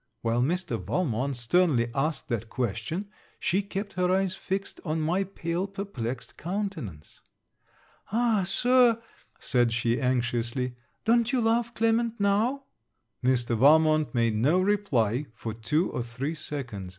While Mr. Valmont sternly asked that question, she kept her eyes fixed on my pale perplexed countenance. 'Ah, Sir,' said she anxiously, 'don't you love Clement now?' Mr. Valmont made no reply for two or three seconds.